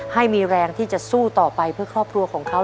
ให้มีแรงที่จะสู้ต่อไปเพื่อครอบครัวของเขา